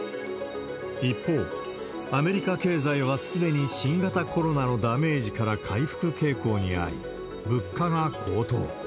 一方、アメリカ経済はすでに新型コロナのダメージから回復傾向にあり、物価が高騰。